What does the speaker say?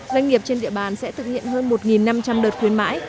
doanh nghiệp trên địa bàn sẽ thực hiện hơn một năm trăm linh đợt khuyến mãi